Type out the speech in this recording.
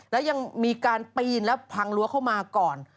และยังมีการปีนและพังรั้วเข้ามาก่อน